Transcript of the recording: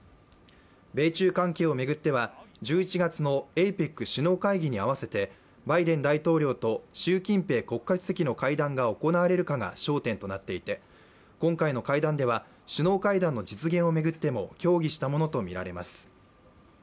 米中関係を巡っては、１１月のＡＰＥＣ首脳会議に合わせて、バイデン大統領と習近平国家主席との会談が行われるかが焦点になっていて今回の会談では首脳会談の実現を巡っても協議したものとみられます。